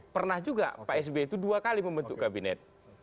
pernah juga pak sby itu dua kali membentuk kabinet